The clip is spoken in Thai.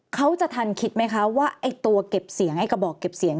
เขาจะทันคิดไหมคะว่าไอ้ตัวเก็บเสียงไอ้กระบอกเก็บเสียง